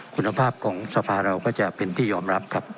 คุณภาพของสภาเราก็จะเป็นที่ยอมรับครับ